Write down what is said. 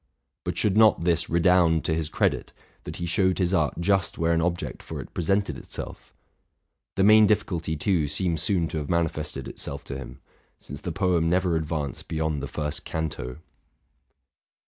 But should not this redound to his credit, that he showed his art just where an object for it presented itself? The main difficulty, too, seems soon to have manifested itself to him, — since the poem never advanced beyond the first canto.